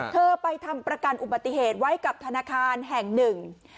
เธอไปทำประกันอุบัติเหตุไว้กับธนาคารแห่งหนึ่ง